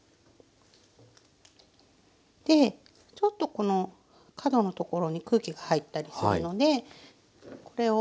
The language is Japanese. ちょっとこの角のところに空気が入ったりするのでこれをトントン。